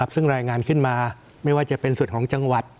ซึ่งรายงานขึ้นมาไม่ว่าจะเป็นส่วนของจังหวัด